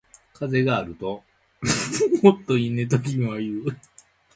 風があるともっといいね、と君は言う